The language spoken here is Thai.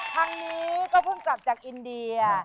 ทางนี้ก็เพิ่งจับจากอินเดีย